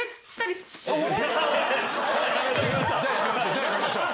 じゃあやめましょう。